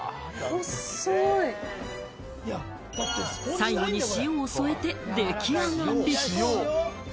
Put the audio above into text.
最後に塩を添えて出来上がり。